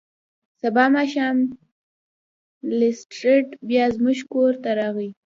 سبا ماښام لیسټرډ بیا زموږ کور ته راغی.